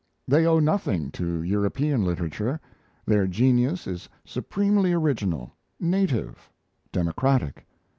They owe nothing to European literature their genius is supremely original, native, democratic.